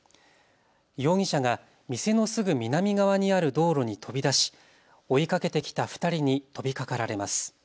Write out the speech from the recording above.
容疑者が店のすぐ南側にある道路に飛び出し、追いかけてきた２人に飛びかかられます。